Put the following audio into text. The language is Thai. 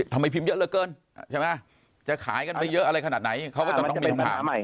ทำไมพิมพ์เยอะเกินจะขายกันไปเยอะอะไรขนาดไหน